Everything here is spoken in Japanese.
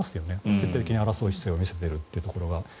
徹底的に争う姿勢を見せているところは。